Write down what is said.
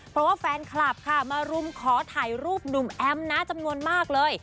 เพราะว่าแฟนคลับค่ะมารุมขอถ่ายรูปหนุ่มแอมนะจำนวนมากเลย